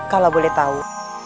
kalau boleh tahu